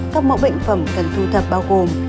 các mẫu bệnh phẩm cần thu thập bao gồm